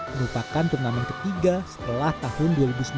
merupakan turnamen ketiga setelah tahun dua ribu sembilan belas